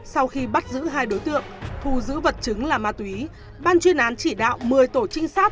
sau khi bắt giữ hai đối tượng thu giữ vật chứng là ma túy ban chuyên án chỉ đạo một mươi tổ trinh sát